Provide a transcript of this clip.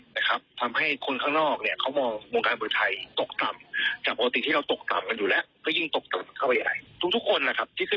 พี่น้องผมหมดเลยนะครับ